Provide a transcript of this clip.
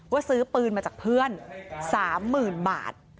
ว่าซื้อปืนมาจากเพื่อนสามหมื่นบาท